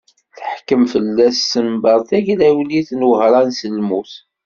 Teḥkem fell-as tsenbert tagrawliwt n Wehṛan s lmut.